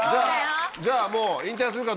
じゃあもう。